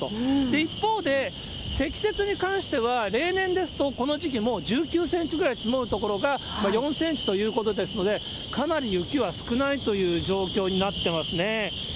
一方で積雪に関しては、例年ですとこの時期、１９センチぐらい積もるところが、４センチということですので、かなり雪は少ないという状況になってますね。